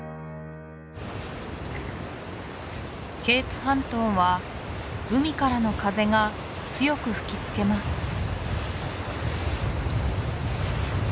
ケープ半島は海からの風が強く吹きつけます